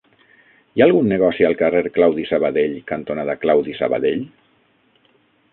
Hi ha algun negoci al carrer Claudi Sabadell cantonada Claudi Sabadell?